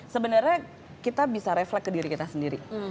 sebenarnya kita bisa refleks ke diri kita sendiri